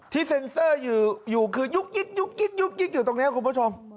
ที่เซ็นเซอร์อยู่คือยุ๊กยิ๊กยุ๊กยิ๊กยุ๊กยิ๊กอยู่ตรงเนี้ยครับคุณผู้ชม